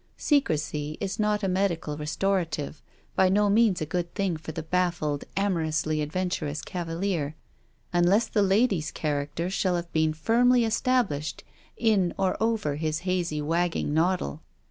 Secresy is not a medical restorative, by no means a good thing for the baffled amorously adventurous cavalier, unless the lady's character shall have been firmly established in or over his hazy wagging noddle.